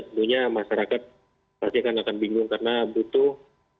tentunya masyarakat pasti akan bingung karena butuh